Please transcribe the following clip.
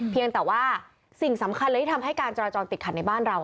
เพียงแต่ว่าสิ่งสำคัญเลยที่ทำให้การจราจรติดขัดในบ้านเรา